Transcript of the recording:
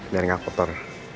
biar gak kotor